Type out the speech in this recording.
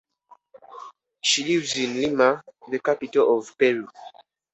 She lives in Lima, the capital of Peru.